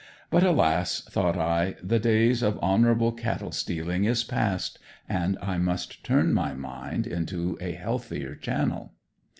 But alas! thought I, the days of honorable cattle stealing is past, and I must turn my mind into a healthier channel.